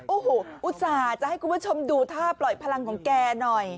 โอ้โหอุตส่าห์จะให้คุณผู้ชมดูท่าปล่อยพลังของแกหน่อย